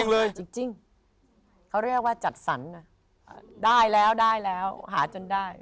แล้วจัดสรรค์ก็ได้แล้วได้แล้วหาจนได้